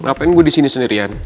ngapain gue disini sendirian